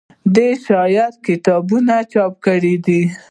د شاعرۍ کتابونه یې چاپ کړي دي